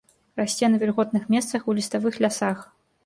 Расце на вільготных месцах у ліставых лясах.